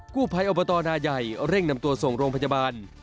ภัยอบตนาใหญ่เร่งนำตัวส่งโรงพยาบาล